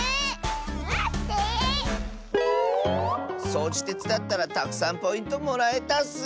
そうじてつだったらたくさんポイントもらえたッス。